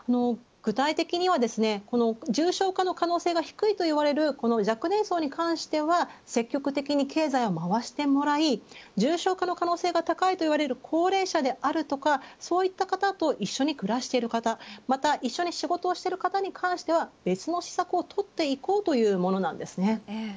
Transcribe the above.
具体的には重症化の可能性が低いといわれる若年層に関しては積極的に経済を回してもらい重症化の高いといわれる高齢者であるとかそういった方と一緒に暮らしている方また一緒に仕事をしている方に関しては別の施策を取っていこうというものなんです。